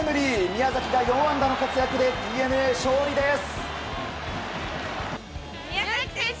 宮崎が４安打の活躍でＤｅＮＡ勝利です。